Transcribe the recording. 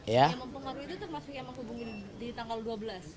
yang mempengaruhi itu termasuk yang menghubungin di tanggal dua belas